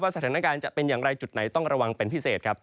สถานการณ์จะเป็นอย่างไรจุดไหนต้องระวังเป็นพิเศษครับ